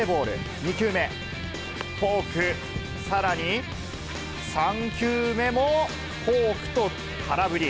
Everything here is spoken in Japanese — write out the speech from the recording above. ２球目、フォーク、さらに３球目もフォークと空振り。